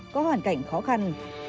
có hoàn cảnh khó khăn